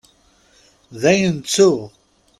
Dayen ttuɣ.